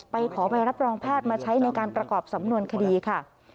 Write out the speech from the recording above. ขอใบรับรองแพทย์มาใช้ในการประกอบสำนวนคดีค่ะ